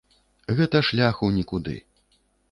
Гэта шлях у нікуды.